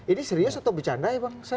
ini serius atau bercanda ya bang